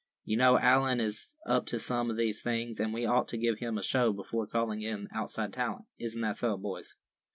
"You know Allan is up to some of these things, and we ought to give him a show before calling in outside talent; isn't that so, boys?"